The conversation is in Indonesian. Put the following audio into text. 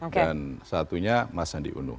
dan satunya mas sandi unuh